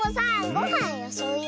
ごはんよそうよ。